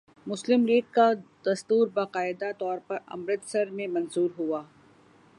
مسلم لیگ کا دستور باقاعدہ طور پر امرتسر میں منظور ہوا